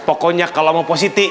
pokoknya kalau mau positi